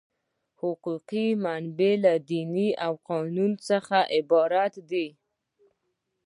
حقوقي منابع له دین او قانون څخه عبارت دي.